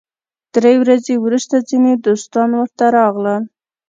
درې ورځې وروسته ځینې دوستان ورته راغلل.